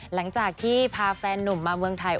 หลังจากที่พาแฟนนุ่มมาเมืองไทย